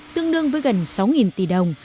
tương đương với gần sáu tỷ đồng